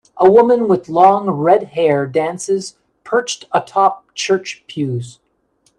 A woman with long, redhair dances, perched atop church pews.